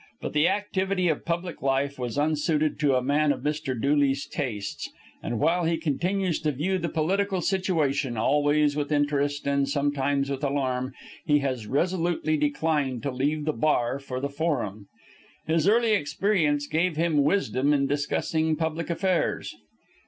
But the activity of public life was unsuited to a man of Mr. Dooley's tastes; and, while he continues to view the political situation always with interest and sometimes with alarm, he has resolutely declined to leave the bar for the forum. His early experience gave him wisdom in discussing public affairs.